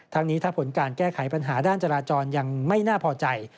นี้ถ้าผลการแก้ไขปัญหาด้านจราจรยังไม่น่าพอใจ